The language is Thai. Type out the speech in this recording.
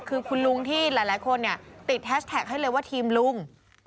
คือคุณลุงที่หลายคนเนี่ยติดแฮชแท็กให้เลยว่าทีมลุง